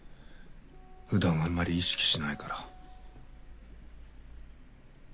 普段あんまり意識しないから。